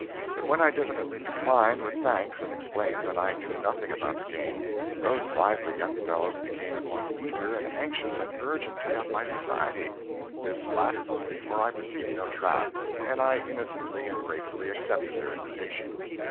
But when I diffidently declined, with thanks, and explained that I knew nothing about the game, those lively young fellows became at once eager and anxious and urgent to have my society. This flattered me, for I perceived no trap, and I innocently and gratefully accepted their invitation.